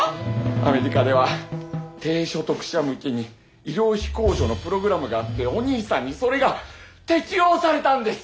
アメリカでは低所得者向けに医療費控除のプログラムがあってお兄さんにそれが適用されたんです！